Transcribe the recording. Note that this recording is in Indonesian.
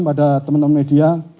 pada teman teman media